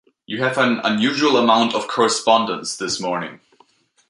You have an unusual amount of correspondence this morning.